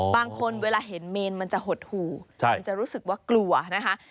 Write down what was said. เวลาเห็นเมนมันจะหดหูมันจะรู้สึกว่ากลัวนะคะ